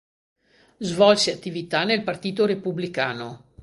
Svolse attività nel Partito Repubblicano.